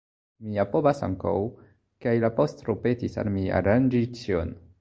Mi ja povas ankaŭ, kaj la pastro petis al mi aranĝi ĉion.